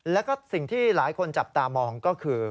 แล้วก็สิ่งที่หลายคนจับตามองก็คือ